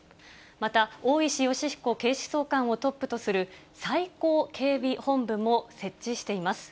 また、大石吉彦警視総監をトップとする最高警備本部も設置しています。